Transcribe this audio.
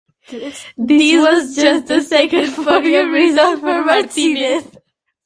This was just the second podium result for Martinez.